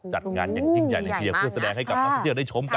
จัดงานอย่างจริงใหญ่เพื่อแสดงให้กับประเทศได้ชมกัน